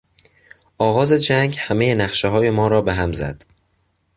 آغاز جنگ همهی نقشههای ما را به هم زد.